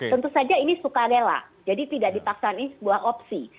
tentu saja ini suka rela jadi tidak dipaksa ini sebuah opsi